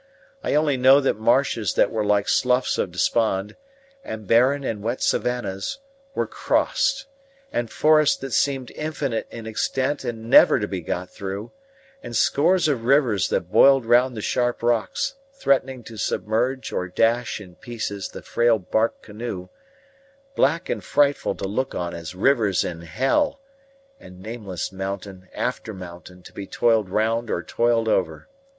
I only know that marshes that were like Sloughs of Despond, and barren and wet savannahs, were crossed; and forests that seemed infinite in extent and never to be got through; and scores of rivers that boiled round the sharp rocks, threatening to submerge or dash in pieces the frail bark canoe black and frightful to look on as rivers in hell; and nameless mountain after mountain to be toiled round or toiled over.